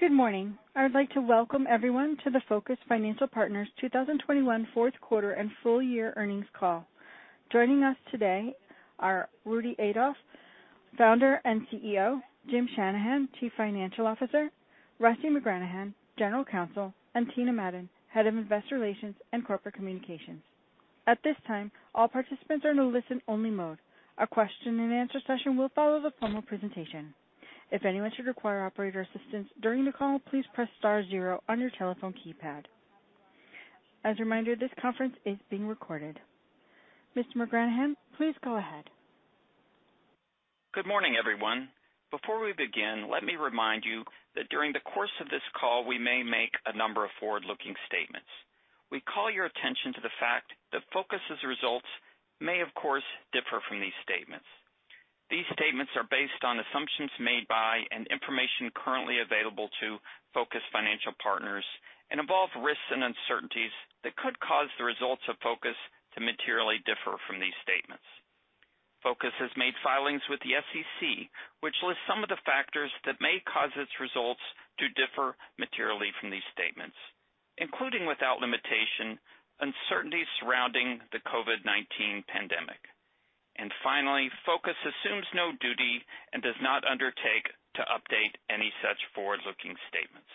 Good morning. I would like to welcome everyone to the Focus Financial Partners 2021 fourth quarter and full year earnings call. Joining us today are Rudy Adolf, Founder and CEO, Jim Shanahan, Chief Financial Officer, Rusty McGranahan, General Counsel, and Tina Madon, Head of Investor Relations and Corporate Communications. At this time, all participants are in a listen-only mode. A question and answer session will follow the formal presentation. If anyone should require operator assistance during the call, please press star zero on your telephone keypad. As a reminder, this conference is being recorded. Mr. McGranahan, please go ahead. Good morning, everyone. Before we begin, let me remind you that during the course of this call, we may make a number of forward-looking statements. We call your attention to the fact that Focus' results may, of course, differ from these statements. These statements are based on assumptions made by, and information currently available to, Focus Financial Partners and involve risks and uncertainties that could cause the results of Focus to materially differ from these statements. Focus has made filings with the SEC, which lists some of the factors that may cause its results to differ materially from these statements, including, without limitation, uncertainties surrounding the COVID-19 pandemic. Finally, Focus assumes no duty and does not undertake to update any such forward-looking statements.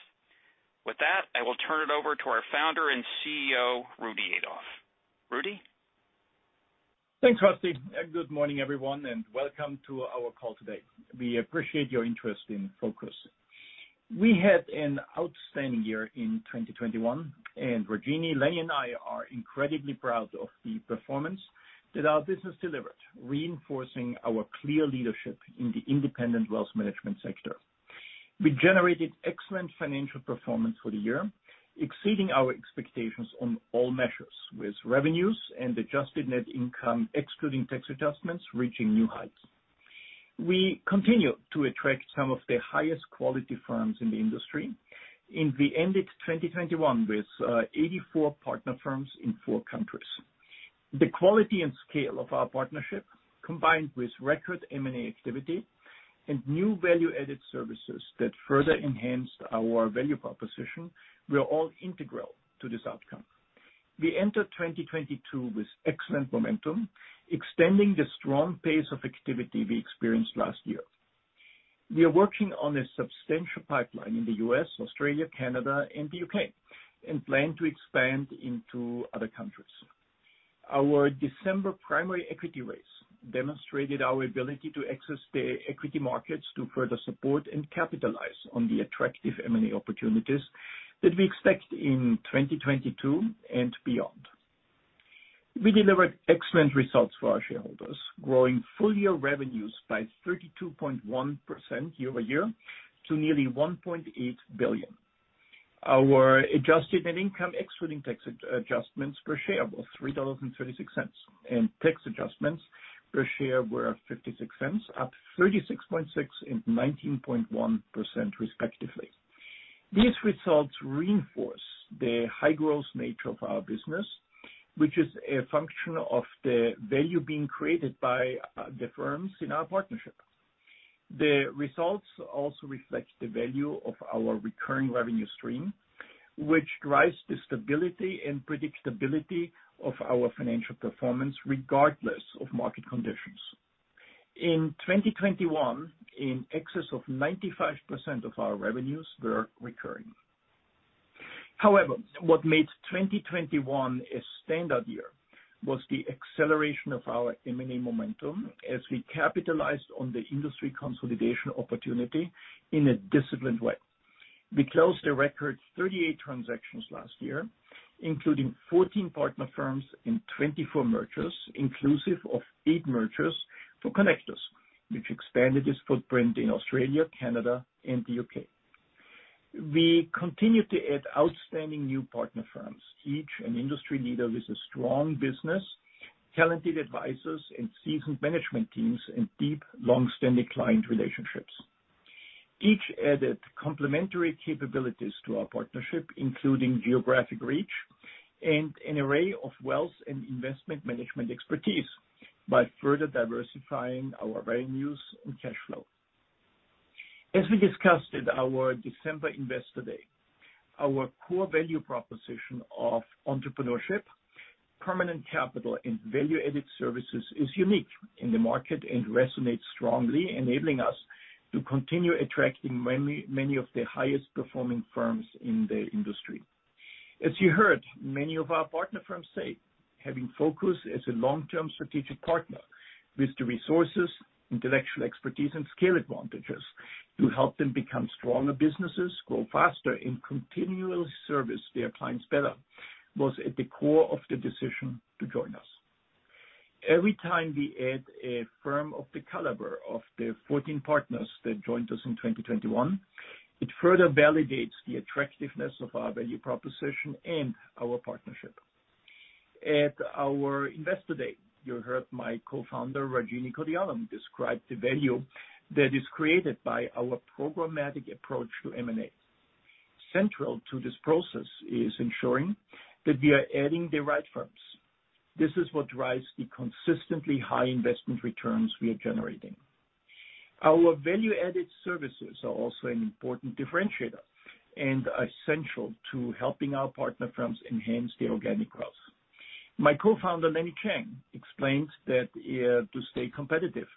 With that, I will turn it over to our Founder and CEO, Rudy Adolf. Rudy? Thanks, Rusty, and good morning, everyone, and welcome to our call today. We appreciate your interest in Focus. We had an outstanding year in 2021, and Rajini, Lenny, and I are incredibly proud of the performance that our business delivered, reinforcing our clear leadership in the independent wealth management sector. We generated excellent financial performance for the year, exceeding our expectations on all measures, with revenues and adjusted net income, excluding tax adjustments, reaching new heights. We continue to attract some of the highest quality firms in the industry, and we ended 2021 with eighty-four partner firms in four countries. The quality and scale of our partnership, combined with record M&A activity and new value-added services that further enhanced our value proposition, were all integral to this outcome. We enter 2022 with excellent momentum, extending the strong pace of activity we experienced last year. We are working on a substantial pipeline in the U.S., Australia, Canada, and the U.K., and plan to expand into other countries. Our December primary equity raise demonstrated our ability to access the equity markets to further support and capitalize on the attractive M&A opportunities that we expect in 2022 and beyond. We delivered excellent results for our shareholders, growing full-year revenues by 32.1% year-over-year to nearly $1.8 billion. Our adjusted net income, excluding tax adjustments per share of $3.36, and tax adjustments per share were $0.56, up 36.6% and 19.1% respectively. These results reinforce the high-growth nature of our business, which is a function of the value being created by the firms in our partnership. The results also reflect the value of our recurring revenue stream, which drives the stability and predictability of our financial performance regardless of market conditions. In 2021, in excess of 95% of our revenues were recurring. However, what made 2021 a standout year was the acceleration of our M&A momentum as we capitalized on the industry consolidation opportunity in a disciplined way. We closed a record 38 transactions last year, including 14 partner firms and 24 mergers, inclusive of eight mergers for Connectus, which expanded its footprint in Australia, Canada, and the U.K. We continue to add outstanding new partner firms, each an industry leader with a strong business, talented advisors and seasoned management teams, and deep, long-standing client relationships. Each added complementary capabilities to our partnership, including geographic reach and an array of wealth and investment management expertise by further diversifying our revenues and cash flow. As we discussed at our December Investor Day, our core value proposition of entrepreneurship, permanent capital, and value-added services is unique in the market and resonates strongly, enabling us to continue attracting many, many of the highest performing firms in the industry. As you heard many of our partner firms say, having Focus as a long-term strategic partner with the resources, intellectual expertise, and scale advantages to help them become stronger businesses, grow faster, and continually service their clients better, was at the core of the decision to join us. Every time we add a firm of the caliber of the 14 partners that joined us in 2021, it further validates the attractiveness of our value proposition and our partnership. At our Investor Day, you heard my co-founder, Rajini Kodialam, describe the value that is created by our programmatic approach to M&A. Central to this process is ensuring that we are adding the right firms. This is what drives the consistently high investment returns we are generating. Our value-added services are also an important differentiator and are essential to helping our partner firms enhance their organic growth. My co-founder, Lenny Chang, explains that to stay competitive,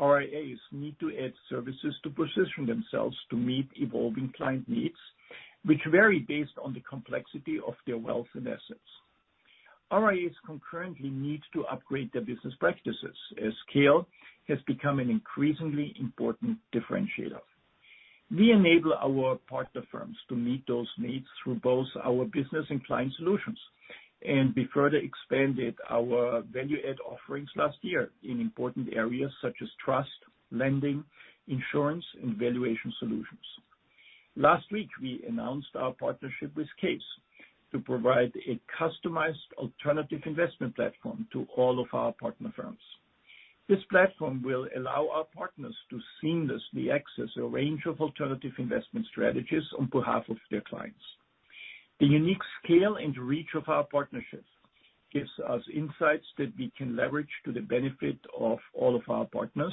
RIAs need to add services to position themselves to meet evolving client needs, which vary based on the complexity of their wealth and assets. RIAs concurrently need to upgrade their business practices, as scale has become an increasingly important differentiator. We enable our partner firms to meet those needs through both our business and client solutions, and we further expanded our value-added offerings last year in important areas such as trust, lending, insurance, and valuation solutions. Last week, we announced our partnership with CAIS to provide a customized alternative investment platform to all of our partner firms. This platform will allow our partners to seamlessly access a range of alternative investment strategies on behalf of their clients. The unique scale and reach of our partnerships gives us insights that we can leverage to the benefit of all of our partners,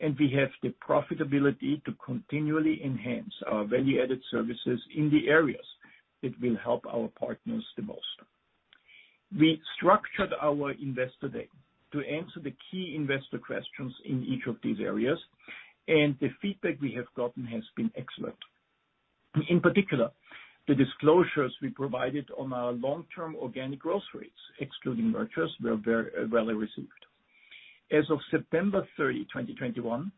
and we have the profitability to continually enhance our value-added services in the areas that will help our partners the most. We structured our investor day to answer the key investor questions in each of these areas, and the feedback we have gotten has been excellent. In particular, the disclosures we provided on our long-term organic growth rates, excluding mergers, were very well recieved. As of September 30, 2021,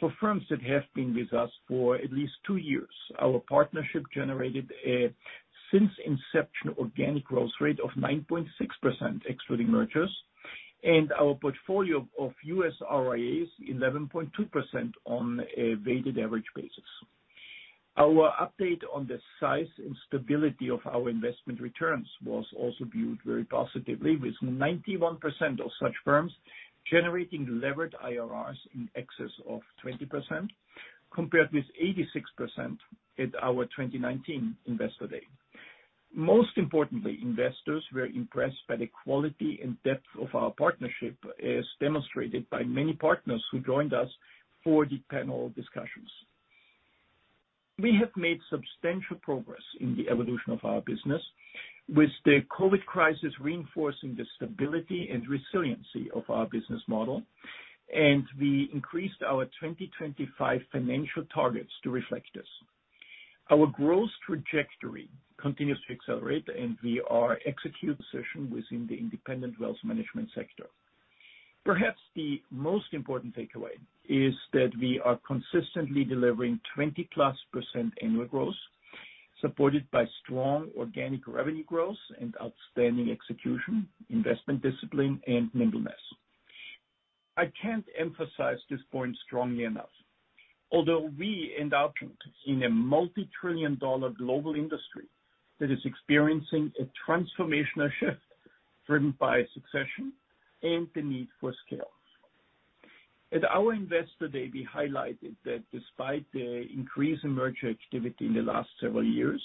for firms that have been with us for at least two years, our partnership generated a since inception organic growth rate of 9.6% excluding mergers, and our portfolio of U.S. RIAs 11.2% on a weighted average basis. Our update on the size and stability of our investment returns was also viewed very positively, with 91% of such firms generating levered IRRs in excess of 20%, compared with 86% at our 2019 investor day. Most importantly, investors were impressed by the quality and depth of our partnership, as demonstrated by many partners who joined us for the panel discussions. We have made substantial progress in the evolution of our business with the COVID crisis reinforcing the stability and resiliency of our business model, and we increased our 2025 financial targets to reflect this. Our growth trajectory continues to accelerate, and we are executing position within the independent wealth management sector. Perhaps the most important takeaway is that we are consistently delivering 20+% annual growth, supported by strong organic revenue growth and outstanding execution, investment discipline and nimbleness. I can't emphasize this point strongly enough. Although we end up in a multi-trillion dollar global industry that is experiencing a transformational shift driven by succession and the need for scale. At our investor day, we highlighted that despite the increase in merger activity in the last several years,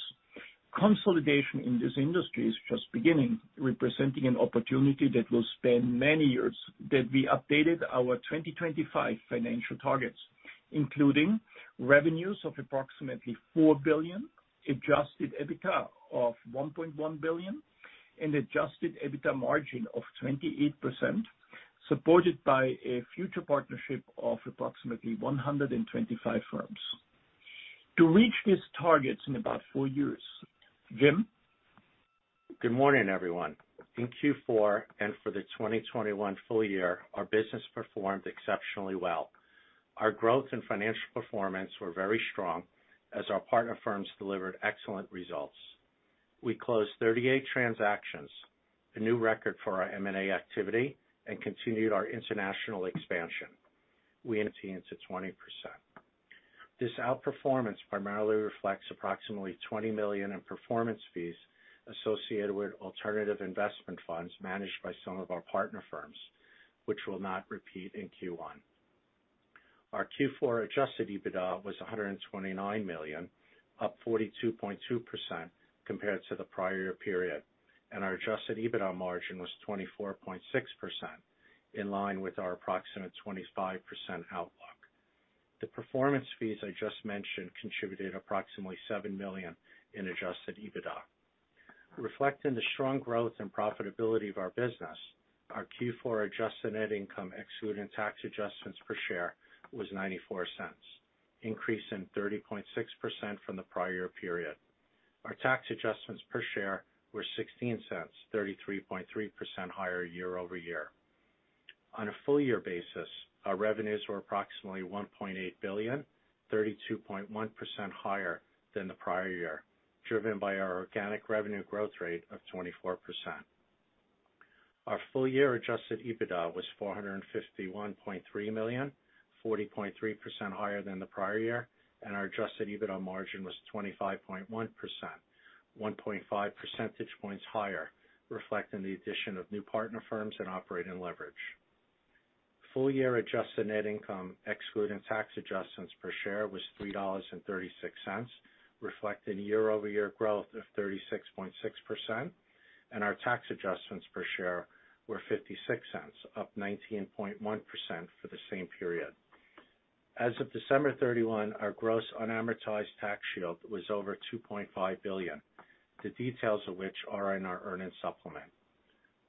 consolidation in this industry is just beginning, representing an opportunity that will span many years, that we updated our 2025 financial targets, including revenues of approximately $4 billion, Adjusted EBITDA of $1.1 billion, and Adjusted EBITDA margin of 28%, supported by a future partnership of approximately 125 firms to reach these targets in about four years. Jim? Good morning, everyone. In Q4 and for the 2021 full year, our business performed exceptionally well. Our growth and financial performance were very strong as our partner firms delivered excellent results. We closed 38 transactions, a new record for our M&A activity, and continued our international expansion. We attained to 20%. This outperformance primarily reflects approximately $20 million in performance fees associated with alternative investment funds managed by some of our partner firms, which will not repeat in Q1. Our Q4 Adjusted EBITDA was $129 million, up 42.2% compared to the prior period, and our Adjusted EBITDA margin was 24.6% in line with our approximate 25% outlook. The performance fees I just mentioned contributed approximately $7 million in Adjusted EBITDA. Reflecting the strong growth and profitability of our business, our Q4 adjusted net income, excluding tax adjustments per share, was $0.94, increasing 30.6% from the prior period. Our tax adjustments per share were $0.16, 33.3% higher year over year. On a full year basis, our revenues were approximately $1.8 billion, 32.1% higher than the prior year, driven by our organic revenue growth rate of 24%. Our full year Adjusted EBITDA was $451.3 million, 40.3% higher than the prior year, and our Adjusted EBITDA margin was 25.1%, 1.5 percentage points higher, reflecting the addition of new partner firms and operating leverage. Full year adjusted net income excluding tax adjustments per share was $3.36, reflecting year-over-year growth of 36.6%. Our tax adjustments per share were $0.56, up 19.1% for the same period. As of December 31, our gross unamortized tax shield was over $2.5 billion, the details of which are in our earnings supplement.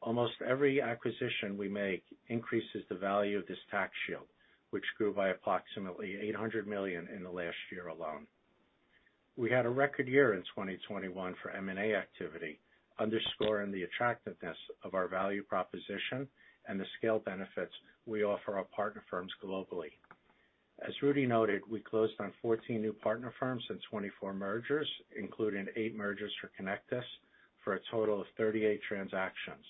Almost every acquisition we make increases the value of this tax shield, which grew by approximately $800 million in the last year alone. We had a record year in 2021 for M&A activity, underscoring the attractiveness of our value proposition and the scale benefits we offer our partner firms globally. As Rudy noted, we closed on 14 new partner firms and 24 mergers, including eight mergers for Connectus, for a total of 38 transactions.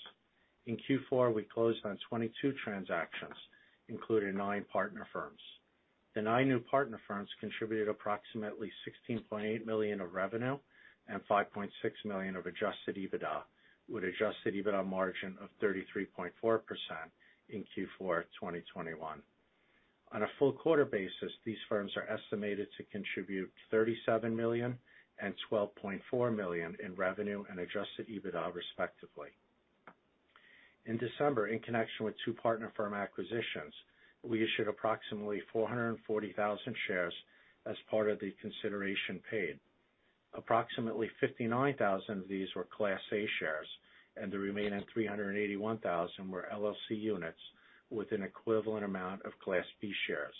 In Q4, we closed on 22 transactions, including nine partner firms. The nine new partner firms contributed approximately $16.8 million of revenue and $5.6 million of Adjusted EBITDA, with Adjusted EBITDA margin of 33.4% in Q4 2021. On a full quarter basis, these firms are estimated to contribute $37 million and $12.4 million in revenue and Adjusted EBITDA, respectively. In December, in connection with two partner firm acquisitions, we issued approximately 440,000 shares as part of the consideration paid. Approximately 59,000 of these were Class A shares, and the remaining 381,000 were LLC units with an equivalent amount of Class B shares.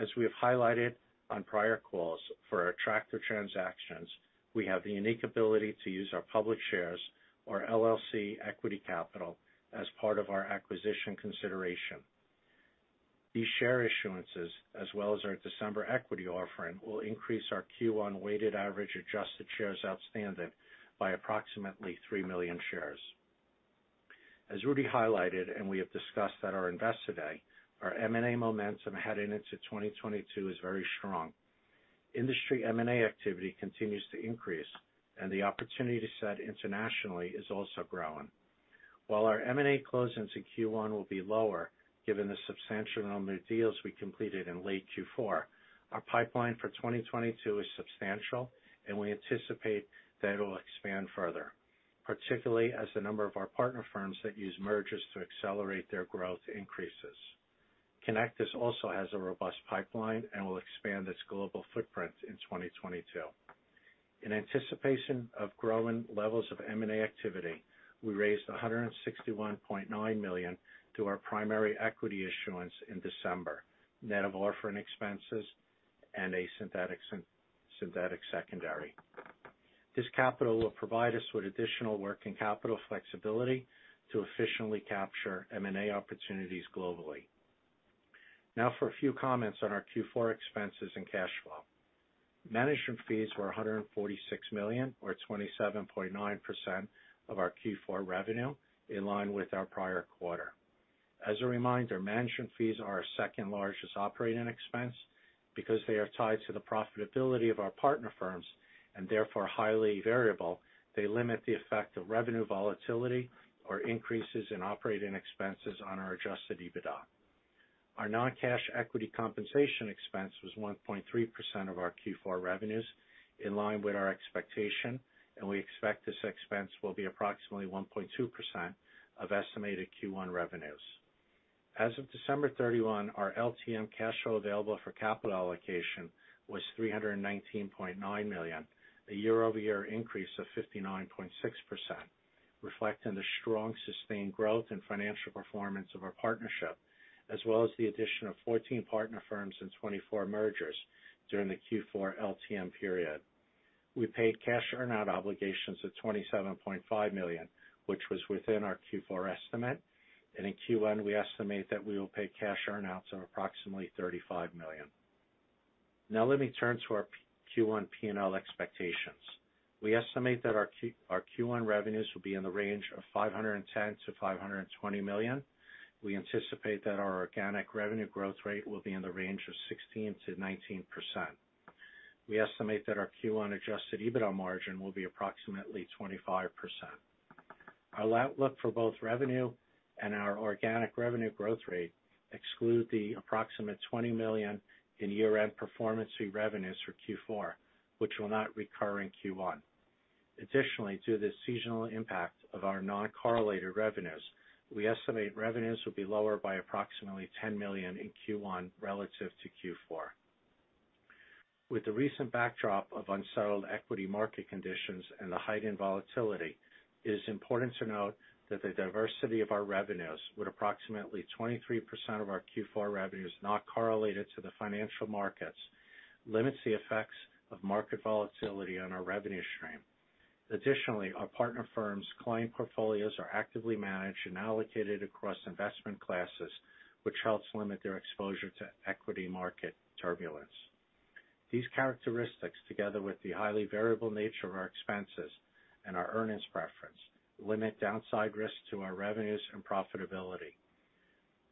As we have highlighted on prior calls for our accretive transactions, we have the unique ability to use our public shares or LLC equity capital as part of our acquisition consideration. These share issuances, as well as our December equity offering, will increase our Q1 weighted average adjusted shares outstanding by approximately three million shares. As Rudy highlighted, and we have discussed at our Investor Day, our M&A momentum heading into 2022 is very strong. Industry M&A activity continues to increase, and the opportunity set internationally is also growing. While our M&A closings in Q1 will be lower, given the substantial number of deals we completed in late Q4, our pipeline for 2022 is substantial, and we anticipate that it'll expand further, particularly as the number of our partner firms that use mergers to accelerate their growth increases. Connectus also has a robust pipeline and will expand its global footprint in 2022. In anticipation of growing levels of M&A activity, we raised $161.9 million to our primary equity issuance in December, net of offering expenses and a synthetic secondary. This capital will provide us with additional working capital flexibility to efficiently capture M&A opportunities globally. Now for a few comments on our Q4 expenses and cash flow. Management fees were $146 million, or 27.9% of our Q4 revenue, in line with our prior quarter. As a reminder, management fees are our second-largest operating expense. Because they are tied to the profitability of our partner firms, and therefore highly variable, they limit the effect of revenue volatility or increases in operating expenses on our Adjusted EBITDA. Our non-cash equity compensation expense was 1.3% of our Q4 revenues, in line with our expectation, and we expect this expense will be approximately 1.2% of estimated Q1 revenues. As of December 31, our LTM cash flow available for capital allocation was $319.9 million, a year-over-year increase of 59.6%, reflecting the strong sustained growth and financial performance of our partnership, as well as the addition of 14 partner firms and 24 mergers during the Q4 LTM period. We paid cash earn-out obligations of $27.5 million, which was within our Q4 estimate. In Q1, we estimate that we will pay cash earn-outs of approximately $35 million. Now let me turn to our Q1 P&L expectations. We estimate that our Q1 revenues will be in the range of $510 million-$520 million. We anticipate that our organic revenue growth rate will be in the range of 16%-19%. We estimate that our Q1 Adjusted EBITDA margin will be approximately 25%. Our outlook for both revenue and our organic revenue growth rate exclude the approximate $20 million in year-end performance fee revenues for Q4, which will not recur in Q1. Additionally, due to the seasonal impact of our non-correlated revenues, we estimate revenues will be lower by approximately $10 million in Q1 relative to Q4. With the recent backdrop of unsettled equity market conditions and the heightened volatility, it is important to note that the diversity of our revenues, with approximately 23% of our Q4 revenues not correlated to the financial markets, limits the effects of market volatility on our revenue stream. Additionally, our partner firms' client portfolios are actively managed and allocated across investment classes, which helps limit their exposure to equity market turbulence. These characteristics, together with the highly variable nature of our expenses and our earnings preference, limit downside risks to our revenues and profitability.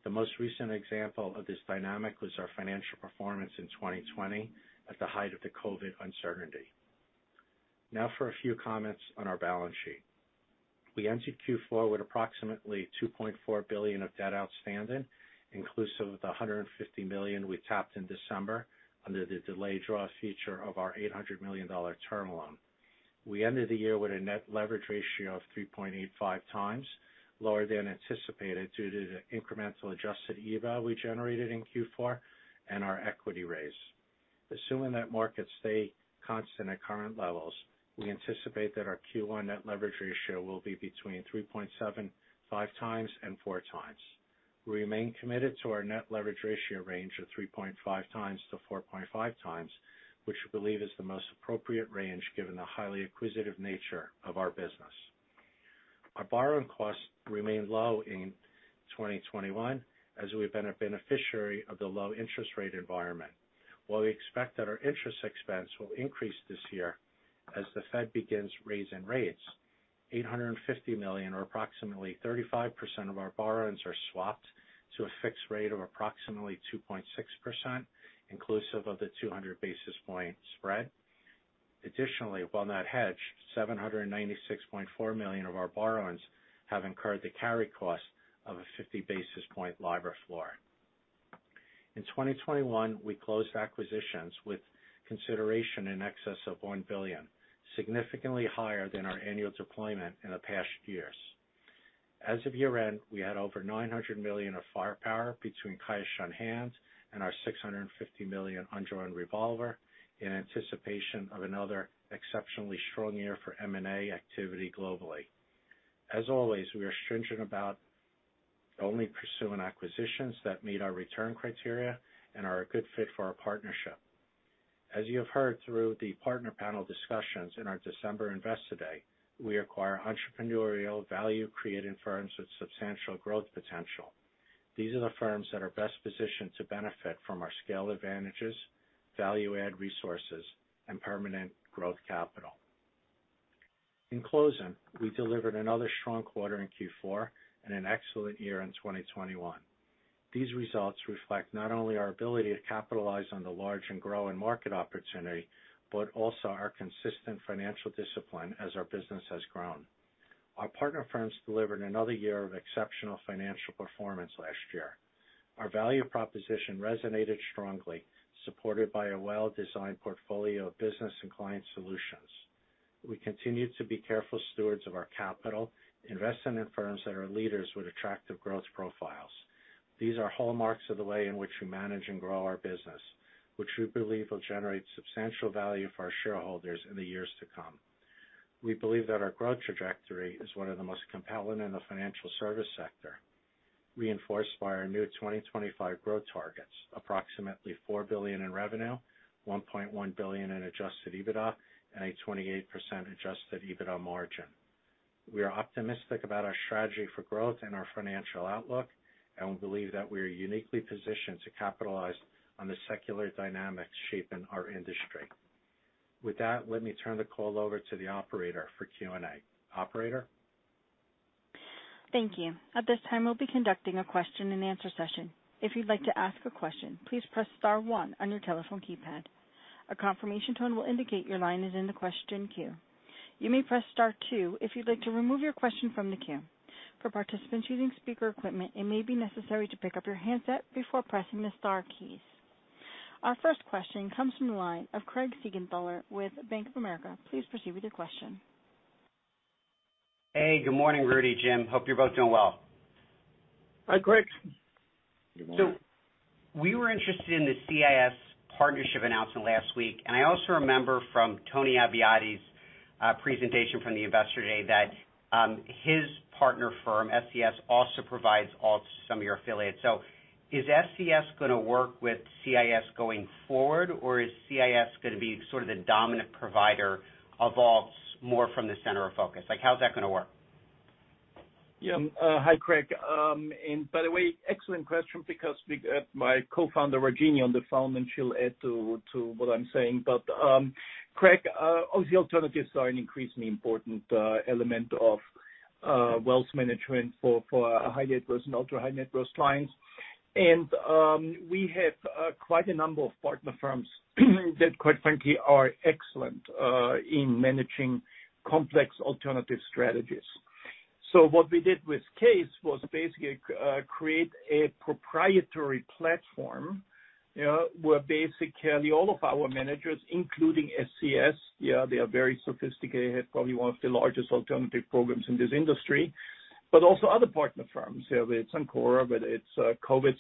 The most recent example of this dynamic was our financial performance in 2020 at the height of the COVID uncertainty. Now for a few comments on our balance sheet. We entered Q4 with approximately $2.4 billion of debt outstanding, inclusive of the $150 million we tapped in December under the delayed draw feature of our $800 million term loan. We ended the year with a net leverage ratio of 3.85x, lower than anticipated due to the incremental Adjusted EBITDA we generated in Q4 and our equity raise. Assuming that markets stay constant at current levels, we anticipate that our Q1 net leverage ratio will be between 3.75x and 4x. We remain committed to our net leverage ratio range of 3.5x-4.5x, which we believe is the most appropriate range given the highly acquisitive nature of our business. Our borrowing costs remained low in 2021, as we've been a beneficiary of the low interest rate environment. While we expect that our interest expense will increase this year as the Fed begins raising rates, $850 million, or approximately 35% of our borrowings, are swapped to a fixed rate of approximately 2.6%, inclusive of the 200 basis point spread. Additionally, upon that hedge, $796.4 million of our borrowings have incurred the carry cost of a 50 basis point LIBOR floor. In 2021, we closed acquisitions with consideration in excess of $1 billion, significantly higher than our annual deployment in the past years. As of year-end, we had over $900 million of firepower between cash on hand and our $650 million undrawn revolver in anticipation of another exceptionally strong year for M&A activity globally. As always, we are stringent about only pursuing acquisitions that meet our return criteria and are a good fit for our partnership. As you have heard through the partner panel discussions in our December Investor Day, we acquire entrepreneurial value-creating firms with substantial growth potential. These are the firms that are best positioned to benefit from our scale advantages, value add resources, and permanent growth capital. In closing, we delivered another strong quarter in Q4 and an excellent year in 2021. These results reflect not only our ability to capitalize on the large and growing market opportunity, but also our consistent financial discipline as our business has grown. Our partner firms delivered another year of exceptional financial performance last year. Our value proposition resonated strongly, supported by a well-designed portfolio of business and client solutions. We continue to be careful stewards of our capital, investing in firms that are leaders with attractive growth profiles. These are hallmarks of the way in which we manage and grow our business, which we believe will generate substantial value for our shareholders in the years to come. We believe that our growth trajectory is one of the most compelling in the financial service sector, reinforced by our new 2025 growth targets, approximately $4 billion in revenue, $1.1 billion in Adjusted EBITDA, and a 28% Adjusted EBITDA margin. We are optimistic about our strategy for growth and our financial outlook, and we believe that we are uniquely positioned to capitalize on the secular dynamics shaping our industry. With that, let me turn the call over to the operator for Q&A. Operator? Thank you. At this time, we'll be conducting a question-and-answer session. If you'd like to ask a question, please press star one on your telephone keypad. A confirmation tone will indicate your line is in the question queue. You may press star two if you'd like to remove your question from the queue. For participants using speaker equipment, it may be necessary to pick up your handset before pressing the star keys. Our first question comes from the line of Craig Siegenthaler with Bank of America. Please proceed with your question. Hey, good morning, Rudy, Jim. Hope you're both doing well. Hi, Craig. Good morning. We were interested in the CAIS partnership announcement last week, and I also remember from Tony Abbiati's presentation from the Investor Day that his partner firm, SCS, also provides alts to some of your affiliates. Is SCS gonna work with CAIS going forward, or is CAIS gonna be sort of the dominant provider of alts more from the center of Focus? Like, how's that gonna work? Yeah. Hi, Craig. By the way, excellent question because we, my co-founder, Rajini, is on the phone, and she'll add to what I'm saying. Craig, obviously alternatives are an increasingly important element of wealth management for our high net worth and ultra-high net worth clients. We have quite a number of partner firms that quite frankly are excellent in managing complex alternative strategies. What we did with CAIS was basically create a proprietary platform, you know, where basically all of our managers, including SCS, they are very sophisticated, probably one of the largest alternative programs in this industry, but also other partner firms. Whether it's Ancora, whether it's Kovitz,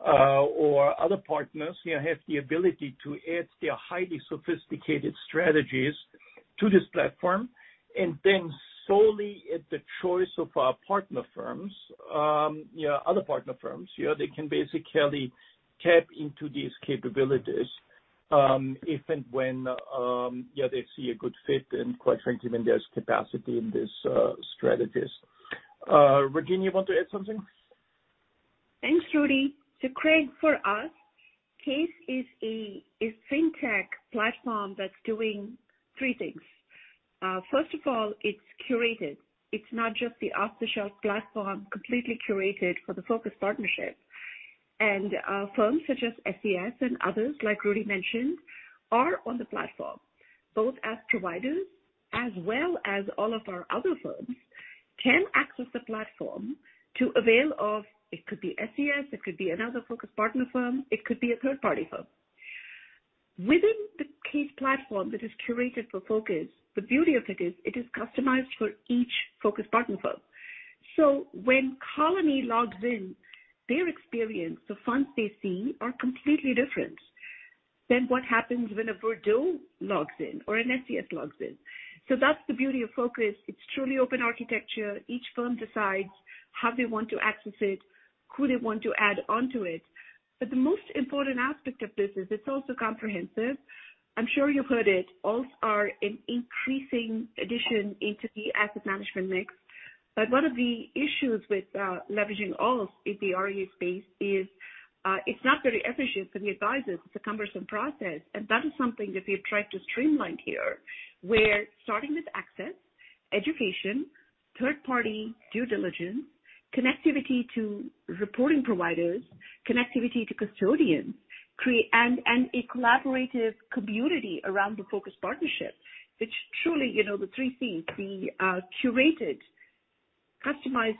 or other partners, you have the ability to add their highly sophisticated strategies to this platform, and then solely at the choice of our partner firms, you know, other partner firms, you know, they can basically tap into these capabilities, if and when they see a good fit and quite frankly when there's capacity in these strategies. Rajini, you want to add something? Thanks, Rudy. Craig, for us, CAIS is a fintech platform that's doing three things. First of all, it's curated. It's not just the off-the-shelf platform, completely curated for the Focus partnership. Firms such as SCS and others, like Rudy mentioned, are on the platform, both as providers as well as all of our other firms can access the platform to avail of it could be SCS, it could be another Focus partner firm, it could be a third-party firm. Within the CAIS platform that is curated for Focus, the beauty of it is it is customized for each Focus partner firm. When Colony logs in, their experience, the funds they see are completely different than what happens when a Verdence logs in or an SCS logs in. That's the beauty of Focus. It's truly open architecture. Each firm decides how they want to access it, who they want to add onto it. The most important aspect of this is it's also comprehensive. I'm sure you've heard it, alts are an increasing addition into the asset management mix. One of the issues with leveraging alts in the RIA space is it's not very efficient for the advisors. It's a cumbersome process, and that is something that we've tried to streamline here. We're starting with access, education, third party due diligence, connectivity to reporting providers, connectivity to custodians, and a collaborative community around the Focus partnership, which truly, you know, the three Cs, the curated, customized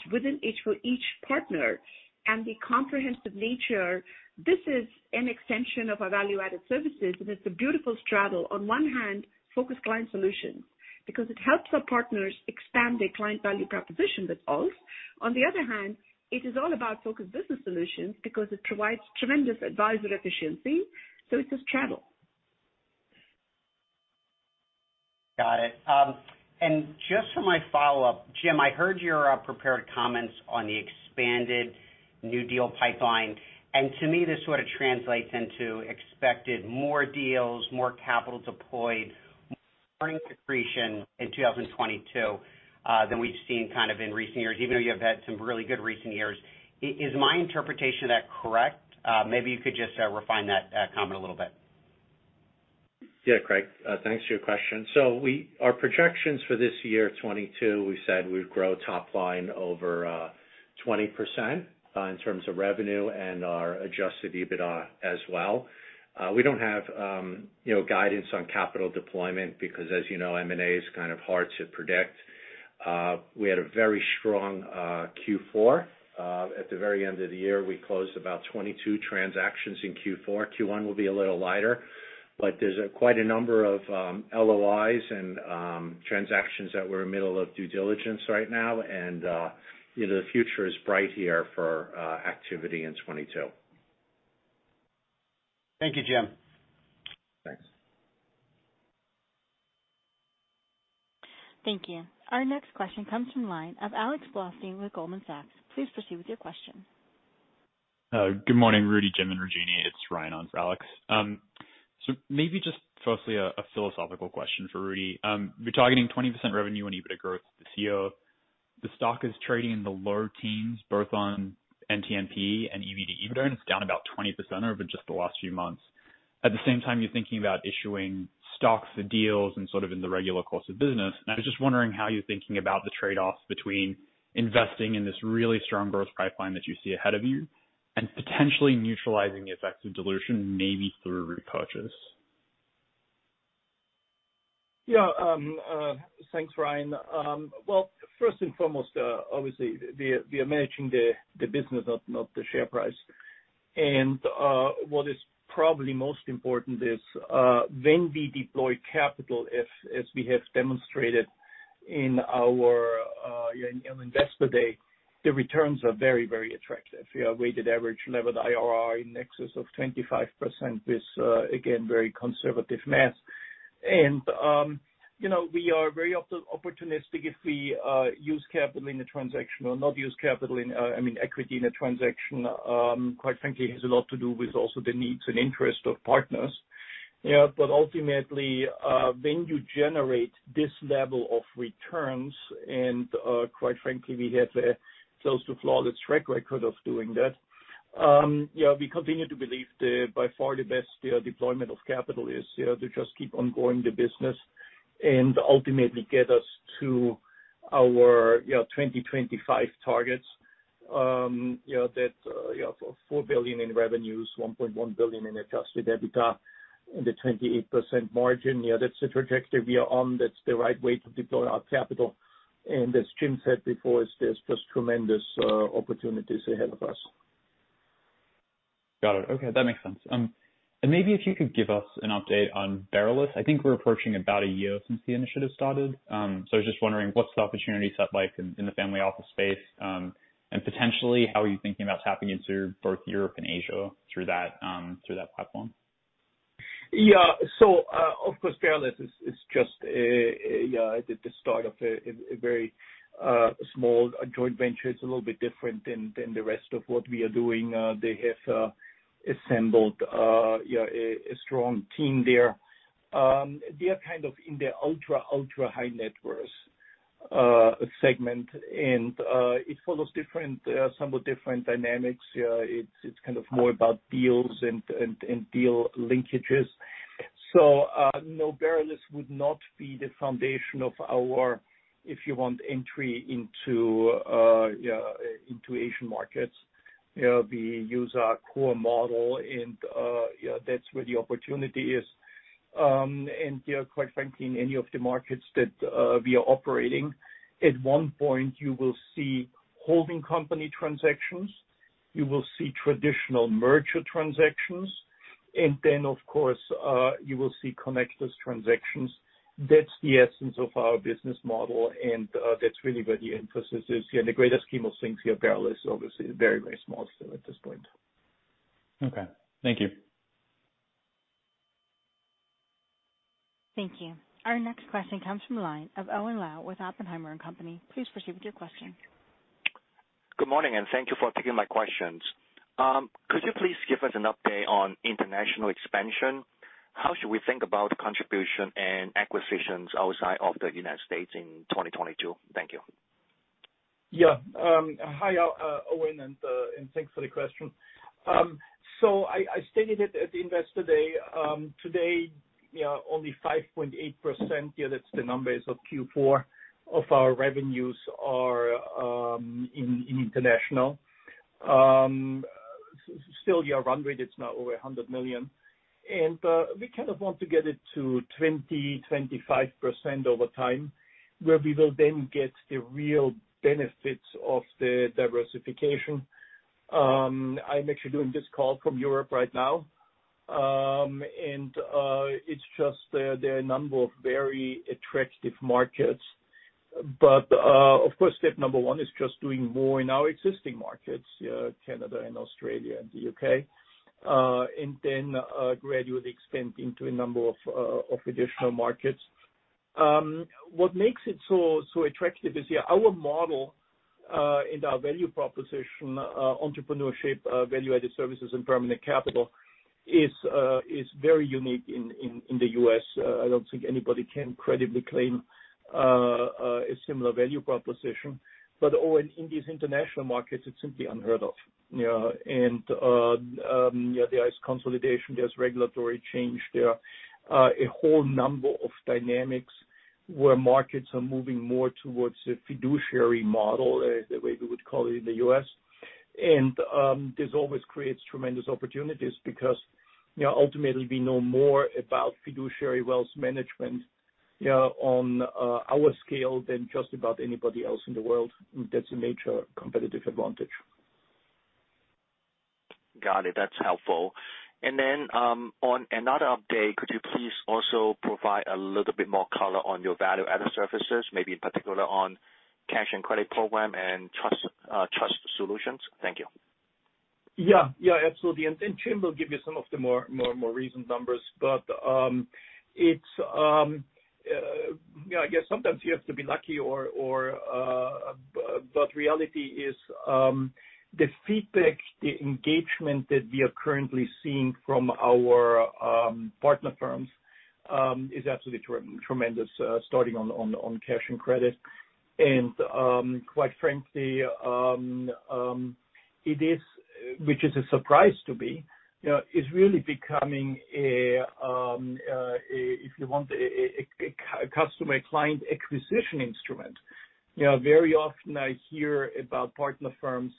for each partner and the comprehensive nature. This is an extension of our value-added services, and it's a beautiful straddle. On one hand, Focus client solutions, because it helps our partners expand their client value proposition with alts. On the other hand, it is all about Focus business solutions because it provides tremendous advisor efficiency. It's a straddle. Got it. Just for my follow-up, Jim, I heard your prepared comments on the expanded new deal pipeline. To me, this sort of translates into expected more deals, more capital deployed, more earnings accretion in 2022 than we've seen kind of in recent years, even though you have had some really good recent years. Is my interpretation of that correct? Maybe you could just refine that comment a little bit. Yeah, Craig, thanks for your question. Our projections for this year, 2022, we said we'd grow top line over 20% in terms of revenue and our Adjusted EBITDA as well. We don't have you know, guidance on capital deployment because, as you know, M&A is kind of hard to predict. We had a very strong Q4. At the very end of the year, we closed about 22 transactions in Q4. Q1 will be a little lighter, but there's quite a number of LOIs and transactions that we're in middle of due diligence right now. You know, the future is bright here for activity in 2022. Thank you, Jim. Thanks. Thank you. Our next question comes from the line of Alex Blostein with Goldman Sachs. Please proceed with your question. Good morning, Rudy, Jim, and Rajini. It's Ryan on for Alex. So maybe just firstly a philosophical question for Rudy. You're targeting 20% revenue and EBITDA growth this year. The stock is trading in the low teens, both on NTM P/E and EV to EBITDA, and it's down about 20% over just the last few months. At the same time, you're thinking about issuing stocks for deals and sort of in the regular course of business. I was just wondering how you're thinking about the trade-offs between investing in this really strong growth pipeline that you see ahead of you and potentially neutralizing the effects of dilution maybe through repurchases. Thanks, Ryan. Well, first and foremost, obviously we are managing the business, not the share price. What is probably most important is when we deploy capital, as we have demonstrated in our, you know, investor day, the returns are very attractive. We have weighted average levered IRR in excess of 25% with again very conservative math. You know, we are very opportunistic if we use capital in a transaction or not use capital, I mean, equity in a transaction, quite frankly, has a lot to do with also the needs and interest of partners. Ultimately, when you generate this level of returns, and quite frankly, we have a close to flawless track record of doing that, we continue to believe the by far the best deployment of capital is, you know, to just keep on growing the business and ultimately get us to our, you know, 2025 targets. You know, that, you know, $4 billion in revenues, $1.1 billion in Adjusted EBITDA and a 28% margin. You know, that's the trajectory we are on. That's the right way to deploy our capital. As Jim said before, there's just tremendous opportunities ahead of us. Got it. Okay, that makes sense. Maybe if you could give us an update on Beryllus. I think we're approaching about a year since the initiative started. I was just wondering what's the opportunity set like in the family office space, and potentially how are you thinking about tapping into both Europe and Asia through that platform? Of course, Beryllus is just at the start of a very small joint venture. It's a little bit different than the rest of what we are doing. They have assembled, you know, a strong team there. They are kind of in the ultra high net worth segment. It follows somewhat different dynamics. It's kind of more about deals and deal linkages. No, Beryllus would not be the foundation of our, if you want, entry into Asian markets. You know, we use our core model and that's where the opportunity is. Yeah, quite frankly, in any of the markets that we are operating, at one point you will see holding company transactions, you will see traditional merger transactions, and then of course, you will see Connectus transactions. That's the essence of our business model, and that's really where the emphasis is. In the greater scheme of things here, Beryllus is obviously very, very small still at this point. Okay. Thank you. Thank you. Our next question comes from the line of Owen Lau with Oppenheimer & Co. Please proceed with your question. Good morning, and thank you for taking my questions. Could you please give us an update on international expansion? How should we think about contribution and acquisitions outside of the United States in 2022? Thank you. Yeah. Hi, Owen, and thanks for the question. So I stated it at Investor Day. Today, yeah, only 5.8%, yeah, that's the numbers of Q4 of our revenues are in international. Still, our run rate is now over $100 million. We kind of want to get it to 20-25% over time, where we will then get the real benefits of the diversification. I'm actually doing this call from Europe right now. It's just there are a number of very attractive markets. Of course, step number one is just doing more in our existing markets, Canada and Australia and the U.K., and then gradually expanding to a number of additional markets. What makes it so attractive is, yeah, our model and our value proposition, entrepreneurship, value-added services and permanent capital is very unique in the U.S. I don't think anybody can credibly claim a similar value proposition. Owen, in these international markets, it's simply unheard of. You know, yeah, there is consolidation, there's regulatory change, there are a whole number of dynamics where markets are moving more towards a fiduciary model, as the way we would call it in the U.S. This always creates tremendous opportunities because, you know, ultimately we know more about fiduciary wealth management, you know, on our scale than just about anybody else in the world. That's a major competitive advantage. Got it. That's helpful. On another update, could you please also provide a little bit more color on your value-added services, maybe in particular on cash and credit program and trust solutions? Thank you. Yeah. Yeah, absolutely. Jim will give you some of the more recent numbers. You know, I guess sometimes you have to be lucky, but reality is, the feedback, the engagement that we are currently seeing from our partner firms is absolutely tremendous, starting on cash and credit. Quite frankly, it is, which is a surprise to me, you know, it's really becoming a—if you want, a customer client acquisition instrument. You know, very often I hear about partner firms,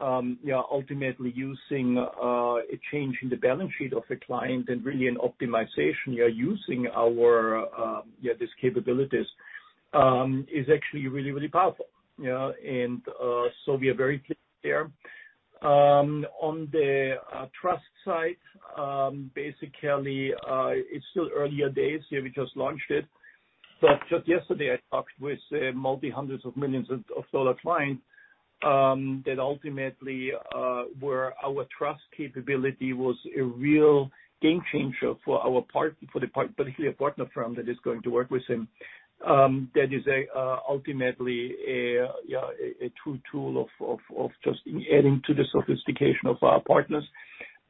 you know, ultimately using a change in the balance sheet of the client and really an optimization, you know, using our, yeah, these capabilities is actually really powerful, you know? We are very pleased there. On the trust side, basically, it's still earlier days. Yeah, we just launched it. Just yesterday, I talked with multi-hundreds of millions of total clients that ultimately where our trust capability was a real game changer for the part, particularly a partner firm that is going to work with him. That is ultimately a, you know, a true tool of just adding to the sophistication of our partners.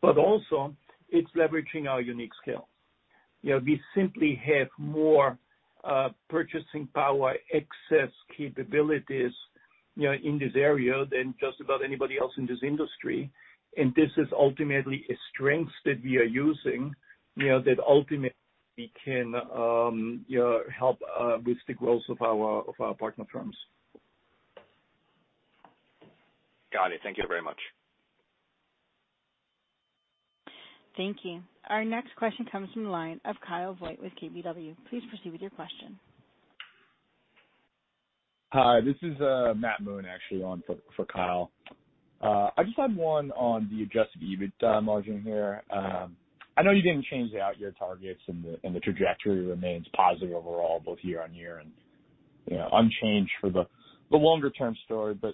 But also it's leveraging our unique scale. You know, we simply have more purchasing power, excess capabilities, you know, in this area than just about anybody else in this industry. This is ultimately a strength that we are using, you know, that ultimately can help boost the growth of our partner firms. Got it. Thank you very much. Thank you. Our next question comes from the line of Kyle Voigt with KBW. Please proceed with your question. Hi, this is Matt Moon actually on for Kyle. I just had one on the Adjusted EBITDA margin here. I know you didn't change the outyear targets and the trajectory remains positive overall both year-over-year and, you know, unchanged for the longer term story. I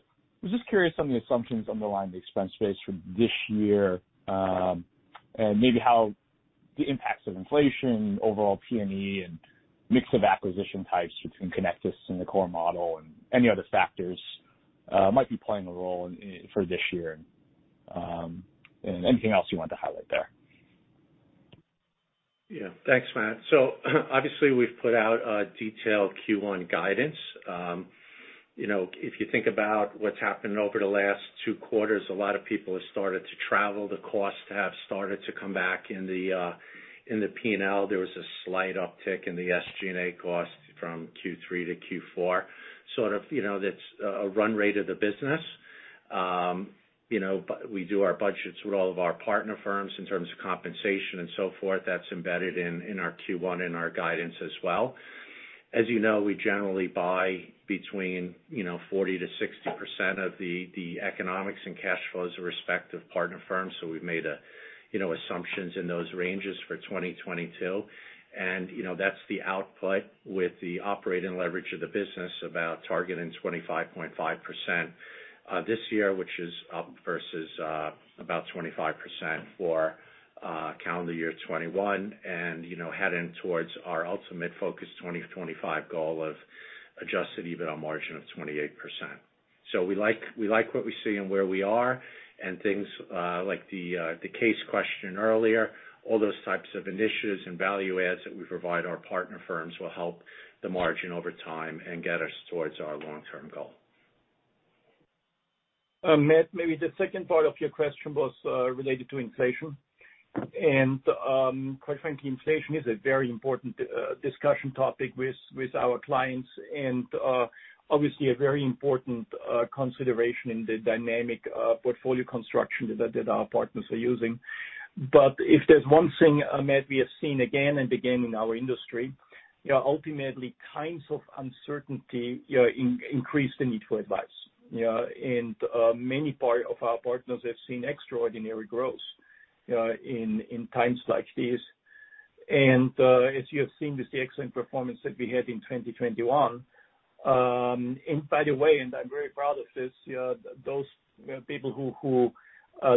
was just curious on the assumptions underlying the expense base for this year and maybe how the impacts of inflation, overall PME and mix of acquisition types between Connectus and the core model and any other factors might be playing a role in for this year and anything else you want to highlight there. Yeah. Thanks, Matt. Obviously we've put out a detailed Q1 guidance. You know, if you think about what's happened over the last two quarters, a lot of people have started to travel. The costs have started to come back in the P&L. There was a slight uptick in the SG&A costs from Q3 to Q4, sort of, you know, that's a run rate of the business. You know, we do our budgets with all of our partner firms in terms of compensation and so forth, that's embedded in our Q1 and our guidance as well. As you know, we generally buy between, you know, 40%-60% of the economics and cash flows with respect of partner firms. We've made, you know, assumptions in those ranges for 2022. You know, that's the output with the operating leverage of the business about targeting 25.5% this year, which is up versus about 25% for calendar year 2021. You know, heading towards our ultimate Focus 2025 goal of Adjusted EBITDA margin of 28%. We like what we see and where we are, and things like the case question earlier, all those types of initiatives and value adds that we provide our partner firms will help the margin over time and get us towards our long-term goal. Matt, maybe the second part of your question was related to inflation. Quite frankly, inflation is a very important discussion topic with our clients and obviously a very important consideration in the dynamic portfolio construction that our partners are using. If there's one thing, Matt, we have seen again and again in our industry, you know, ultimately kinds of uncertainty, you know, increase the need for advice. You know, many of our partners have seen extraordinary growth in times like these. As you have seen, this excellent performance that we had in 2021. By the way, I'm very proud of this, you know, those people who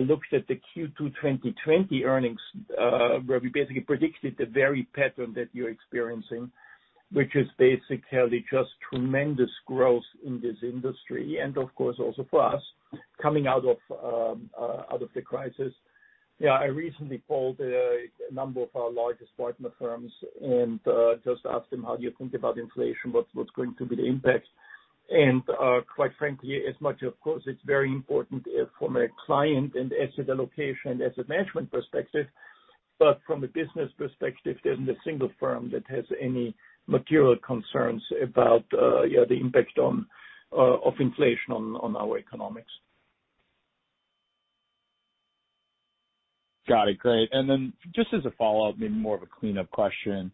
looked at the Q2 2020 earnings, where we basically predicted the very pattern that you're experiencing, which is basically just tremendous growth in this industry, and of course also for us coming out of the crisis. I recently called a number of our largest partner firms and just asked them, "How do you think about inflation? What's going to be the impact?" Quite frankly, as much of course, it's very important from a client and asset allocation, asset management perspective. But from a business perspective, there isn't a single firm that has any material concerns about the impact of inflation on our economics. Got it. Great. Then just as a follow-up, maybe more of a cleanup question.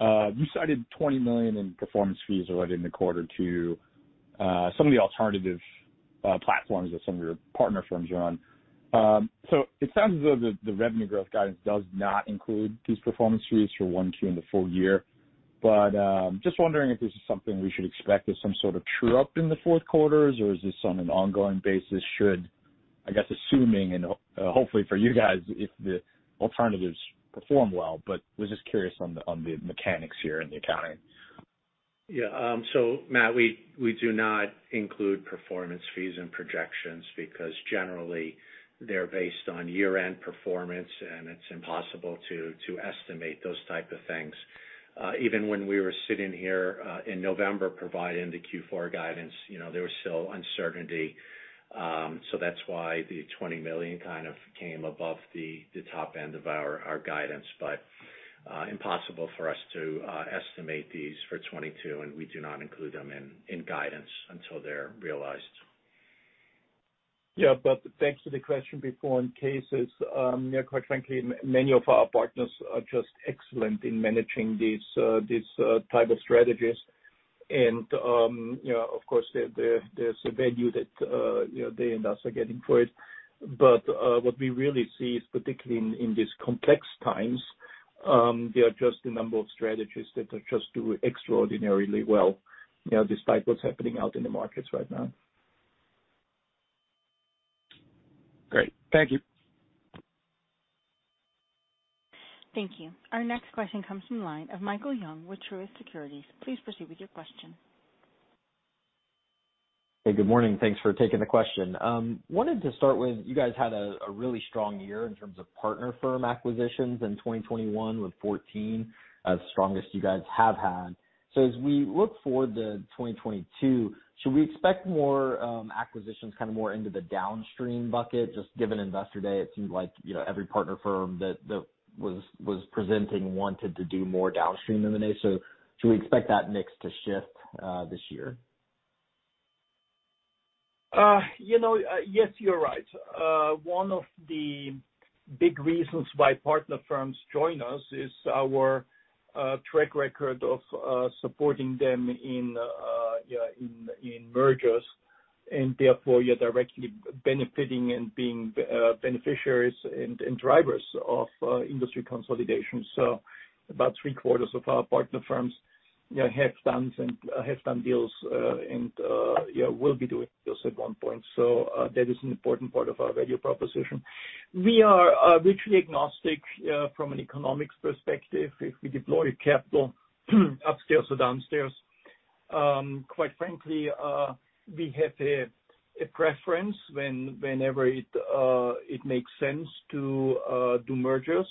You cited $20 million in performance fees already in the quarter to some of the alternative platforms of some of your partner firms, Jim. So it sounds as though the revenue growth guidance does not include these performance fees for one, two, and the full year. Just wondering if this is something we should expect as some sort of true-up in the fourth quarter, or is this on an ongoing basis. I guess assuming, and hopefully for you guys, if the alternatives perform well, but I was just curious on the mechanics here and the accounting. Yeah. Matt, we do not include performance fees and projections because generally they're based on year-end performance, and it's impossible to estimate those type of things. Even when we were sitting here in November providing the Q4 guidance, you know, there was still uncertainty. That's why the $20 million kind of came above the top end of our guidance. Impossible for us to estimate these for 2022, and we do not include them in guidance until they're realized. Thanks for the question before on CAIS. Yeah, quite frankly, many of our partners are just excellent in managing these type of strategies. You know, of course there's a value that you know they and us are getting for it. What we really see is particularly in these complex times there are just a number of strategies that just do extraordinarily well, you know, despite what's happening out in the markets right now. Great. Thank you. Thank you. Our next question comes from the line of Michael Young with Truist Securities. Please proceed with your question. Hey, good morning. Thanks for taking the question. Wanted to start with, you guys had a really strong year in terms of partner firm acquisitions in 2021 with 14, strongest you guys have had. As we look forward to 2022, should we expect more acquisitions kind of more into the downstream bucket? Just given Investor Day, it seemed like every partner firm that was presenting wanted to do more downstream than they. Should we expect that mix to shift this year? You know, yes, you're right. One of the big reasons why partner firms join us is our track record of supporting them in mergers, and therefore you're directly benefiting and being beneficiaries and drivers of industry consolidation. About three quarters of our partner firms, you know, have done deals and will be doing deals at one point. That is an important part of our value proposition. We are richly agnostic from an economics perspective if we deploy capital upstairs or downstairs. Quite frankly, we have a preference when it makes sense to do mergers.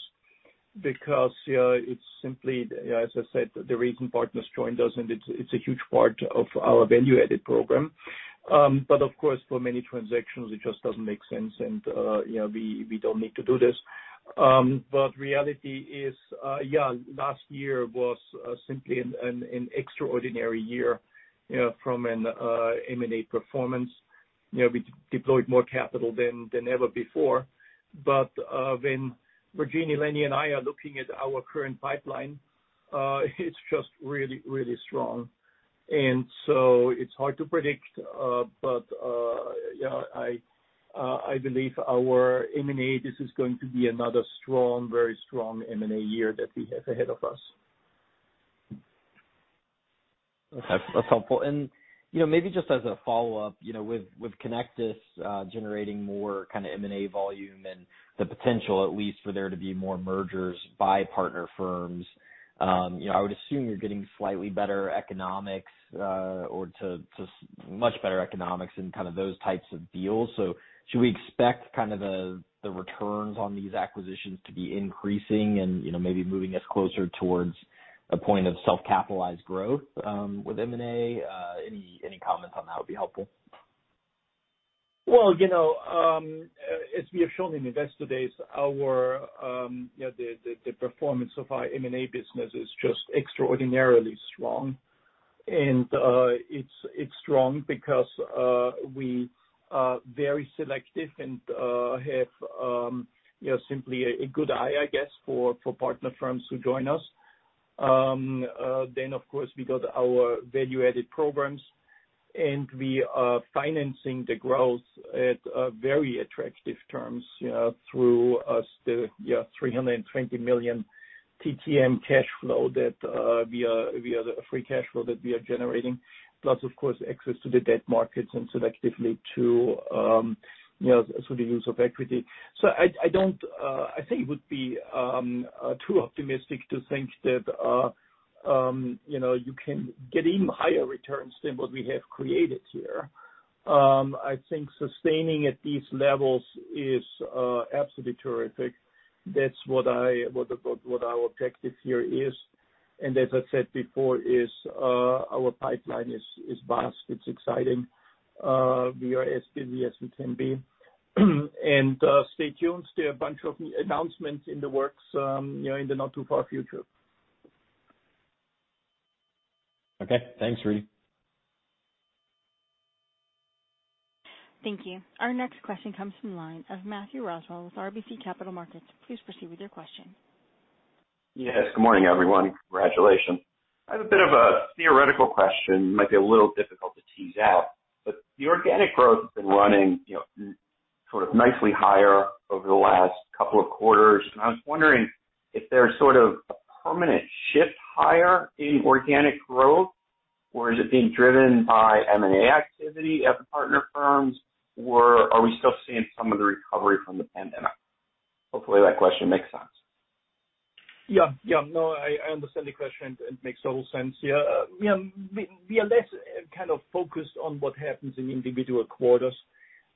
Because here it's simply, as I said, the reason partners joined us, and it's a huge part of our value-added program. Of course, for many transactions, it just doesn't make sense. You know, we don't need to do this. Reality is, yeah, last year was simply an extraordinary year, you know, from an M&A performance. You know, we deployed more capital than ever before. When Rajini, Lenny, and I are looking at our current pipeline, it's just really, really strong. It's hard to predict, but you know, I believe our M&A, this is going to be another strong, very strong M&A year that we have ahead of us. Okay. That's helpful. You know, maybe just as a follow-up, you know, with Connectus generating more kinda M&A volume and the potential at least for there to be more mergers by partner firms, you know, I would assume you're getting slightly better economics, or to much better economics in kind of those types of deals. Should we expect kind of the returns on these acquisitions to be increasing and, you know, maybe moving us closer towards a point of self-capitalized growth with M&A? Any comments on that would be helpful. Well, you know, as we have shown in Investor Day, our you know the performance of our M&A business is just extraordinarily strong. It's strong because we are very selective and have you know simply a good eye, I guess, for partner firms who join us. Of course, we got our value-added programs, and we are financing the growth at very attractive terms, you know, through the yeah $320 million TTM free cash flow that we are generating, plus of course access to the debt markets and selectively to through the use of equity. I don't think it would be too optimistic to think that you know you can get even higher returns than what we have created here. I think sustaining at these levels is absolutely terrific. That's what our objective here is. As I said before, our pipeline is vast. It's exciting. We are as busy as we can be. Stay tuned. There are a bunch of announcements in the works, you know, in the not too far future. Okay. Thanks, Rudy. Thank you. Our next question comes from the line of Matthew Roswell with RBC Capital Markets. Please proceed with your question. Yes, good morning, everyone. Congratulations. I have a bit of a theoretical question, might be a little difficult to tease out. The organic growth has been running, you know, sort of nicely higher over the last couple of quarters. I was wondering if there's sort of a permanent shift higher in organic growth, or is it being driven by M&A activity at the partner firms, or are we still seeing some of the recovery from the pandemic? Hopefully, that question makes sense. Yeah. No, I understand the question. It makes total sense. Yeah. You know, we are less kind of focused on what happens in individual quarters,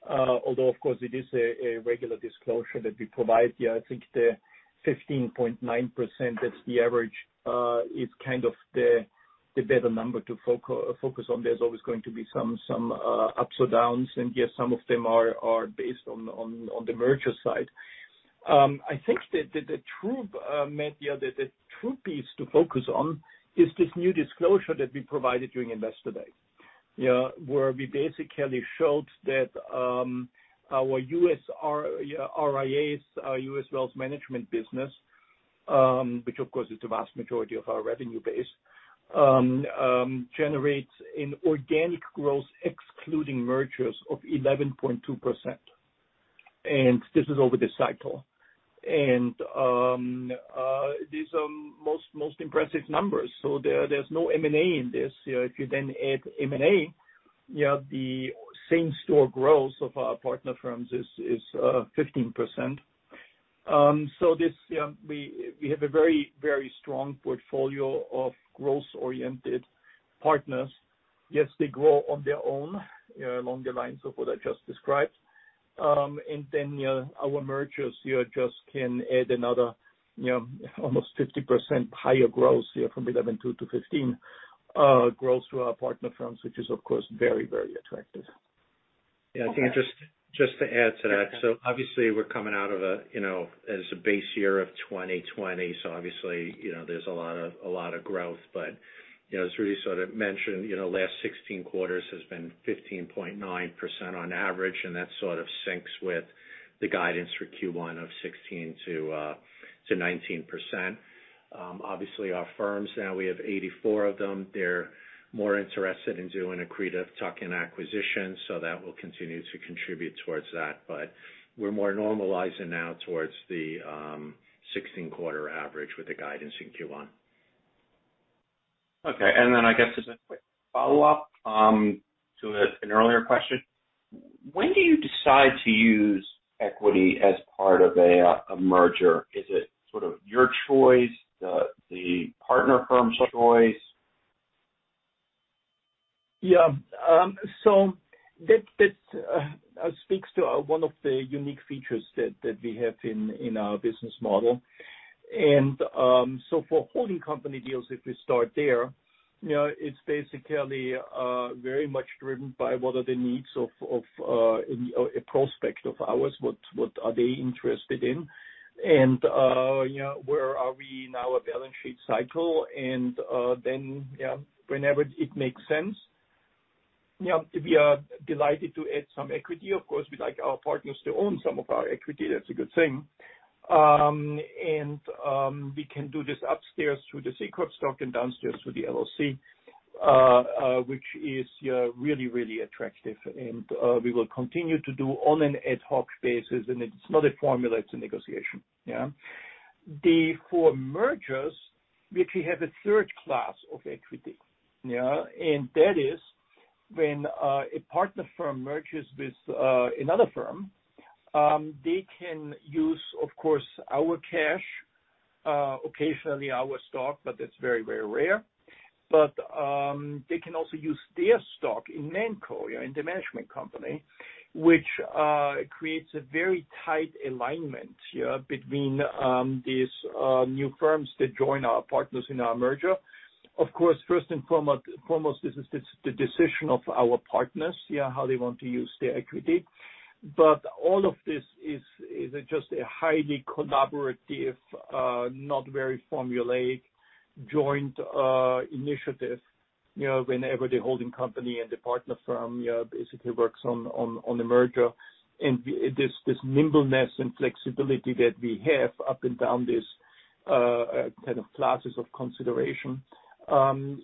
although, of course, it is a regular disclosure that we provide. Yeah, I think the 15.9% that's the average is kind of the better number to focus on. There's always going to be some ups or downs, and yes, some of them are based on the merger side. I think that the true piece to focus on is this new disclosure that we provided during Investor Day. Yeah, where we basically showed that our U.S. RIAs, our U.S. Wealth Management business, which of course is the vast majority of our revenue base, generates an organic growth excluding mergers of 11.2%. This is over the cycle. These are the most impressive numbers. There's no M&A in this. If you then add M&A, you know, the same store growth of our partner firms is 15%. We have a very strong portfolio of growth-oriented partners. Yes, they grow on their own along the lines of what I just described. You know, our mergers, you just can add another, you know, almost 50% higher growth from 11.2 to 15, growth through our partner firms, which is, of course, very, very attractive. Okay. Yeah. I think just to add to that. Obviously we're coming out of a you know as a base year of 2020, so obviously, you know, there's a lot of growth. You know, as Rudy sort of mentioned, you know, last 16 quarters has been 15.9% on average, and that sort of syncs with the guidance for Q1 of 16%-19%. Obviously our firms now, we have 84 of them. They're more interested in doing accretive tuck-in acquisitions, so that will continue to contribute towards that. We're more normalizing now towards the 16-quarter average with the guidance in Q1. Okay. I guess as a quick follow-up to an earlier question. When do you decide to use equity as part of a merger? Is it sort of your choice, the partner firm's choice? Yeah. That speaks to one of the unique features that we have in our business model. For holding company deals, if we start there, you know, it's basically very much driven by what are the needs of a prospect of ours, what are they interested in. You know, where are we in our balance sheet cycle and whenever it makes sense, we are delighted to add some equity. Of course, we'd like our partners to own some of our equity. That's a good thing. We can do this upstairs through the C Corp stock and downstairs through the LLC, which is yeah, really attractive. We will continue to do on an ad hoc basis, and it's not a formula, it's a negotiation, yeah. For mergers, which we have a third class of equity, yeah, and that is when a partner firm merges with another firm, they can use, of course, our cash, occasionally our stock, but that's very, very rare. They can also use their stock in ManCo, in the management company, which creates a very tight alignment, yeah, between these new firms that join our partners in our merger. Of course, first and foremost, this is the decision of our partners, yeah, how they want to use their equity. All of this is just a highly collaborative, not very formulaic joint initiative, you know, whenever the holding company and the partner firm, yeah, basically works on the merger. This nimbleness and flexibility that we have up and down this kind of classes of consideration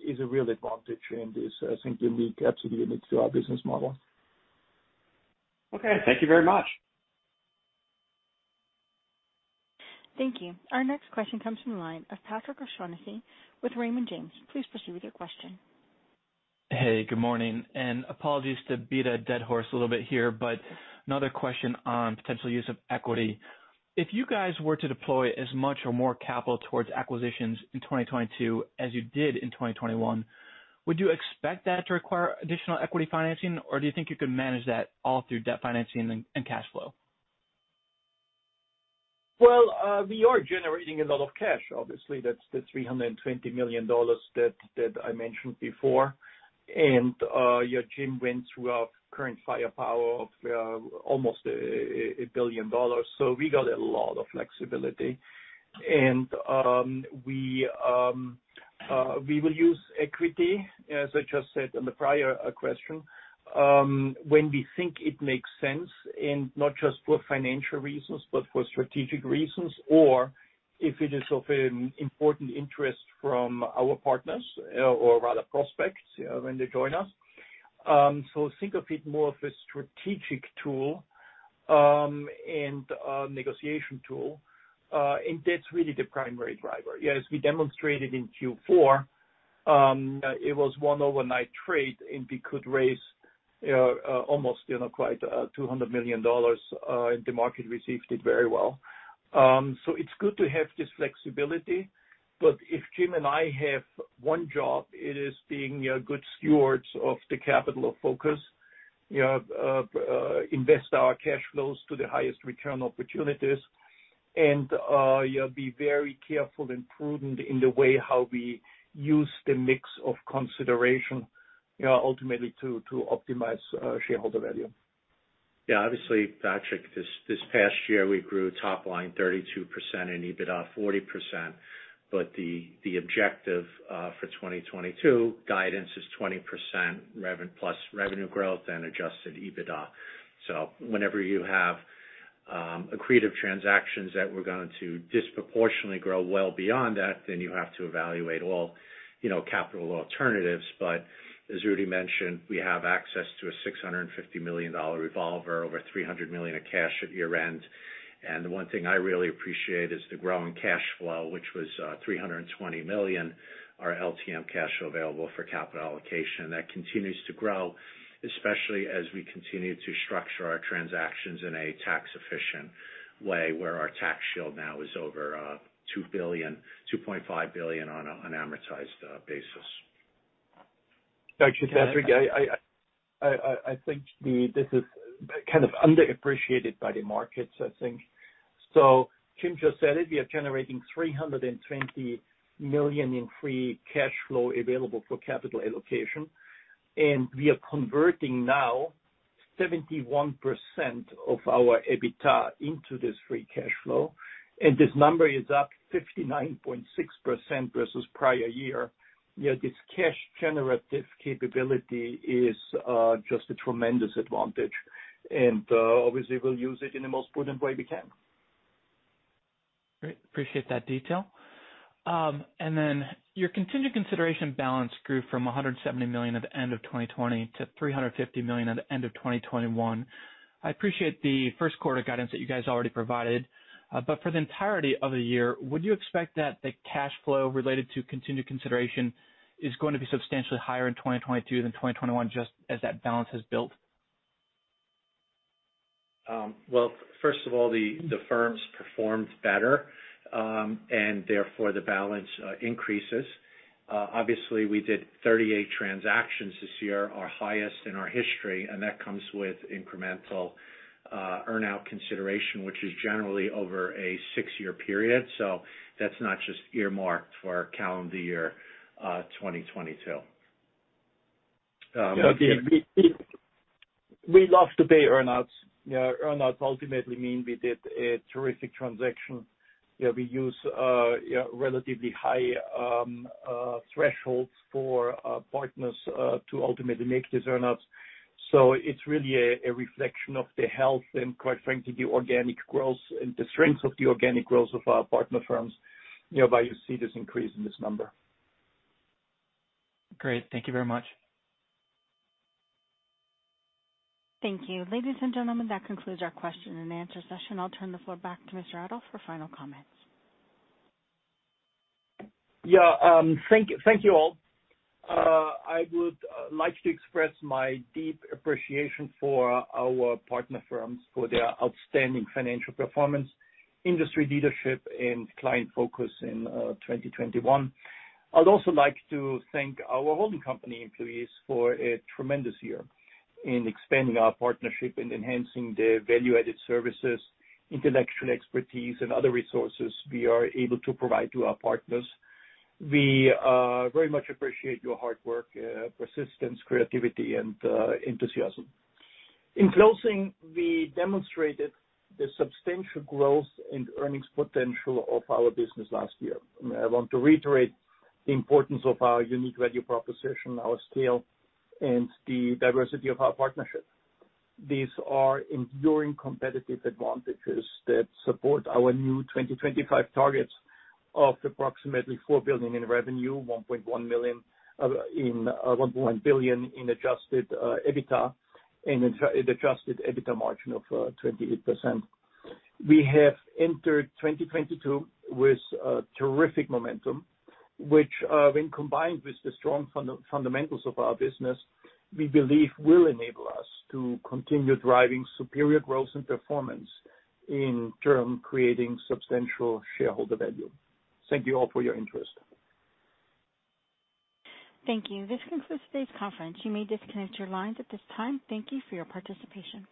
is a real advantage. Is I think unique, absolutely unique to our business model. Okay. Thank you very much. Thank you. Our next question comes from the line of Patrick O'Shaughnessy with Raymond James. Please proceed with your question. Hey, good morning, and apologies to beat a dead horse a little bit here, but another question on potential use of equity. If you guys were to deploy as much or more capital towards acquisitions in 2022 as you did in 2021, would you expect that to require additional equity financing, or do you think you could manage that all through debt financing and cash flow? Well, we are generating a lot of cash. Obviously that's the $320 million that I mentioned before. Jim went through our current firepower of almost $1 billion. We got a lot of flexibility. We will use equity, as I just said on the prior question, when we think it makes sense, and not just for financial reasons, but for strategic reasons or if it is of an important interest from our partners or rather prospects, when they join us. Think of it more of a strategic tool and a negotiation tool. That's really the primary driver. As we demonstrated in Q4, it was one overnight trade, and we could raise almost, you know, quite $200 million. The market received it very well. It's good to have this flexibility, but if Jim and I have one job, it is being, you know, good stewards of the capital of Focus. You know, invest our cash flows to the highest return opportunities and, yeah, be very careful and prudent in the way how we use the mix of consideration, you know, ultimately to optimize shareholder value. Yeah. Obviously, Patrick, this past year we grew top line 32% and EBITDA 40%. The objective for 2022 guidance is 20% plus revenue growth and Adjusted EBITDA. Whenever you have accretive transactions that we're going to disproportionately grow well beyond that, then you have to evaluate all you know capital alternatives. As Rudy mentioned, we have access to a $650 million revolver, over $300 million of cash at year-end. The one thing I really appreciate is the growing cash flow, which was $320 million, our LTM cash available for capital allocation. That continues to grow, especially as we continue to structure our transactions in a tax efficient way, where our tax shield now is over $2 billion-$2.5 billion on an amortized basis. Actually, Patrick, I think this is kind of underappreciated by the markets, I think. Jim just said it. We are generating $320 million in free cash flow available for capital allocation, and we are converting now 71% of our EBITDA into this free cash flow. This number is up 59.6% versus prior year. Yeah, this cash generative capability is just a tremendous advantage. Obviously we'll use it in the most prudent way we can. Great. Appreciate that detail. Your contingent consideration balance grew from $170 million at the end of 2020 to $350 million at the end of 2021. I appreciate the first quarter guidance that you guys already provided. For the entirety of the year, would you expect that the cash flow related to contingent consideration is going to be substantially higher in 2022 than 2021, just as that balance has built? Well, first of all, the firms performed better, and therefore the balance increases. Obviously we did 38 transactions this year, our highest in our history, and that comes with incremental earn-out consideration, which is generally over a 6-year period. That's not just earmarked for calendar year 2022. Yeah. We love to pay earn outs. You know, earn outs ultimately mean we did a terrific transaction. You know, we use relatively high thresholds for partners to ultimately make these earn outs. It's really a reflection of the health and quite frankly, the organic growth and the strength of the organic growth of our partner firms. You know, as you see this increase in this number. Great. Thank you very much. Thank you. Ladies and gentlemen, that concludes our question and answer session. I'll turn the floor back to Mr. Adolf for final comments. Thank you all. I would like to express my deep appreciation for our partner firms for their outstanding financial performance, industry leadership and client focus in 2021. I'd also like to thank our holding company employees for a tremendous year in expanding our partnership and enhancing the value-added services, intellectual expertise, and other resources we are able to provide to our partners. We very much appreciate your hard work, persistence, creativity, and enthusiasm. In closing, we demonstrated the substantial growth and earnings potential of our business last year. I want to reiterate the importance of our unique value proposition, our scale, and the diversity of our partnerships. These are enduring competitive advantages that support our new 2025 targets of approximately $4 billion in revenue, $1.1 billion in Adjusted EBITDA and Adjusted EBITDA margin of 28%. We have entered 2022 with terrific momentum, which, when combined with the strong fundamentals of our business, we believe will enable us to continue driving superior growth and performance in turn creating substantial shareholder value. Thank you all for your interest. Thank you. This concludes today's conference. You may disconnect your lines at this time. Thank you for your participation.